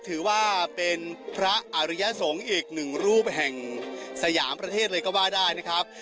ถือว่าเป็นพระอริยสงฆ์อีกหนึ่งรูปแห่งสยามประเทศเลยก็ว่าได้นะครับ